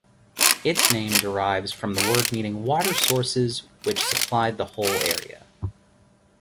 Its name derives from the word meaning water sources which supplied the whole area.